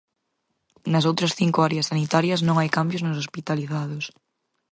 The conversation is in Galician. Nas outras cinco áreas sanitarias non hai cambios nos hospitalizados.